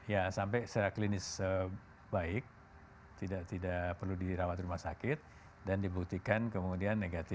ya sampai seclinis baik tidak perlu dirawat di rumah sakit dan dibuktikan kemudian negatif